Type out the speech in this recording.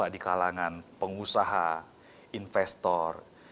dan hot di kalangan pengusaha investor